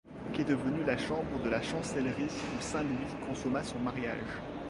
Qu'est devenue la chambre de la chancellerie où saint Louis consomma son mariage?